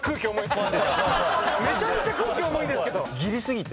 めちゃめちゃ空気重いんですけど。